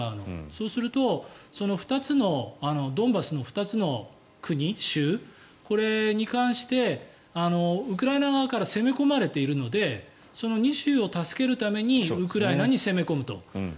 そうするとドンバスの２つの国、州これに関して、ウクライナ側から攻め込まれているのでその２州を助けるためにウクライナに攻め込むと。